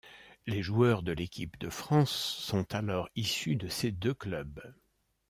Les joueurs de l'équipe de France sont alors issus de ces deux clubs.